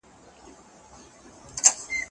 موږ بايد تېر وخت هير نه کړو.